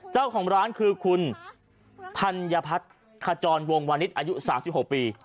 เจ้าของร้านคือคุณธัญพัฒน์ขจรวงวานิสอายุ๓๖ปี